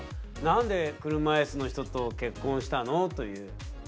何で車いすの人と結婚したのという。